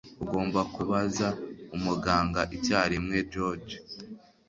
Ugomba kubaza umuganga icyarimwe, George.